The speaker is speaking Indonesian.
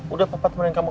udah cepet nungguin kamu